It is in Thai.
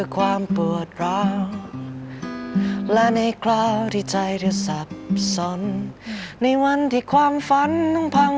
คือว่าในวันนั้นในวันนี้ในวันนั้น